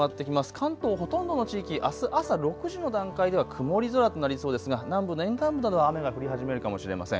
関東ほとんどの地域、あす朝６時の段階では曇り空となりそうですが南部の沿岸部などは雨が降り始めるかもしれません。